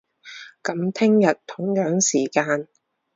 噉聽日，同樣時間